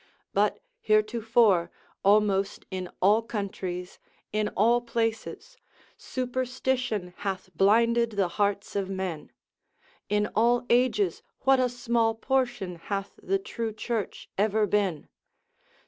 But heretofore, almost in all countries, in all places, superstition hath blinded the hearts of men; in all ages what a small portion hath the true church ever been!